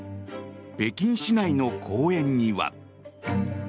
北京市内の公園には。